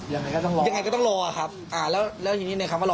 ยังไงก็ต้องรอยังไงก็ต้องรอครับอ่าแล้วแล้วทีนี้ในคำว่ารอ